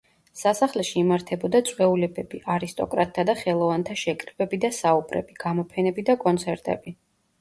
სასახლეში იმართებოდა წვეულებები, არისტოკრატთა და ხელოვანთა შეკრებები და საუბრები, გამოფენები და კონცერტები.